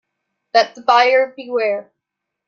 Let the buyer beware.